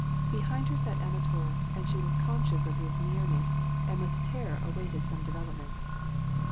Behind her sat Anatol, and she was conscious of his nearness, and with terror awaited some development.